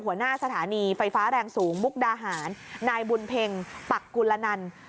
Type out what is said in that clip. หัวหน้าสถานีไฟฟ้าแรงสูงมุกดาหารนายบุญเพ็งปักกุลนัน